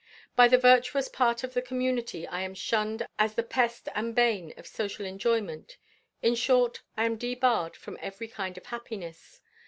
By the virtuous part of the community I am shunned as the pest and bane of social enjoyment. In short, I am debarred from every kind of happiness.